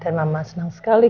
dan mama senang sekali